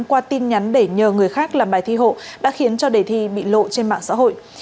qua tin nhắn để nhờ người khác làm bài thi hộ đã khiến cho đề thi bị lộ trên mạng xã hội